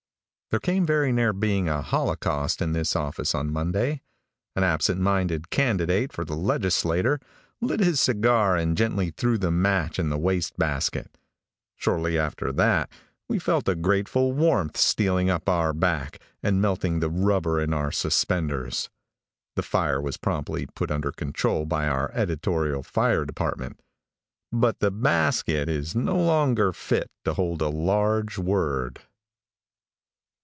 |THERE came very near being a holocaust in this office on Monday. An absent minded candidate for the legislature lit his cigar and gently threw the match in the waste basket. Shortly after that we felt a grateful warmth stealing up our back and melting the rubber in our suspenders. The fire was promptly put under control by our editorial fire department, but the basket is no longer fit to hold a large word.